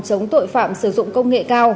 chống tội phạm sử dụng công nghệ cao